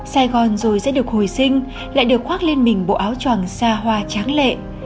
sài gòn rồi sẽ được hồi sinh lại được khoác lên mình bộ áo tròng xa hoa tráng lệ